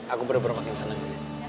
aku bener bener makin seneng